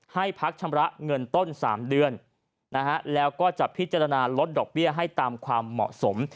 ให้พักชำระเงินต้น๓เดือนแล้วก็จะพิจารณาลดดอกเบี้ยให้ตามความเหมาะสม